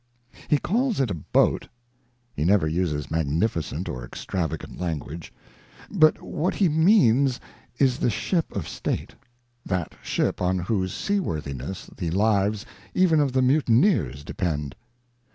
He calls it a boat (he never uses magnificent or extrava gant language), but what he means is the ship of State, that ship on whose seaworthiness the lives even of the mutineers depend.